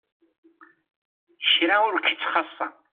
Kra ur k-itt-xasa.